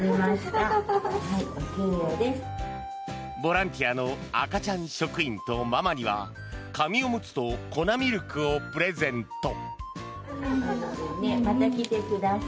ボランティアの赤ちゃん職員とママには紙おむつと粉ミルクをプレゼント。